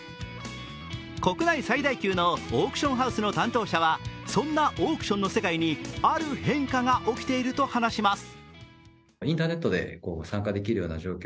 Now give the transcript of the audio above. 国内最大級のオークションハウスの担当者はそんなオークションの世界にある変化が起きていると話します。